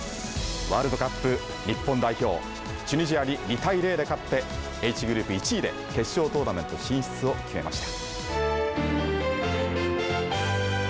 ワールドカップ日本代表チュニジアに２対０で勝ってＨグループ１位で決勝トーナメント進出を決めました。